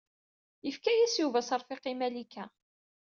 Yefka-yas Yuba aseṛfiq i Malika.